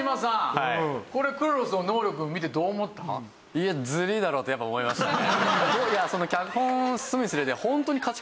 いやずるいだろ！ってやっぱ思いましたね。